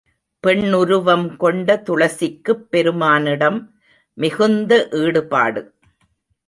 பெண்ணுருவம் கொண்ட துளசிக்குப் பெருமானிடம் மிகுந்த ஈடுபாடு.